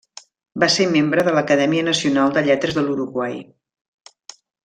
Va ser membre de l'Acadèmia Nacional de Lletres de l'Uruguai.